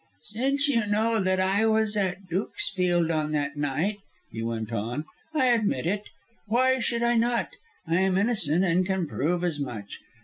"Since you know that I was at Dukesfield on that night," he went on, "I admit it. Why should I not? I am innocent and can prove as much.